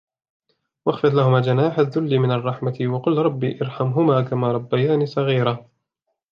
واخفض لهما جناح الذل من الرحمة وقل رب ارحمهما كما ربياني صغيرا